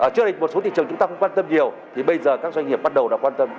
trước đây một số thị trường chúng ta không quan tâm nhiều thì bây giờ các doanh nghiệp bắt đầu đã quan tâm